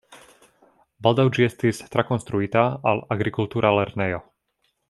Baldaŭ ĝi estis trakonstruita al agrikultura lernejo.